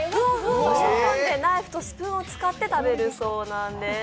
ナイフとスプーンを使って食べるそうです。